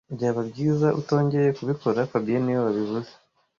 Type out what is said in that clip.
Byaba byiza utongeye kubikora fabien niwe wabivuze